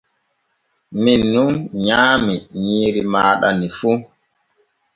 Min nun nyaami nyiiri maaɗa ni fu.